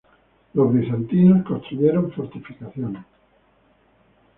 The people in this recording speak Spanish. Los bizantinos construyeron fortificaciones.